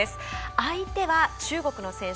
相手は、中国の選手。